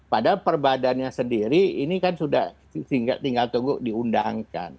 padahal perbadannya sendiri ini kan sudah tinggal tunggu diundangkan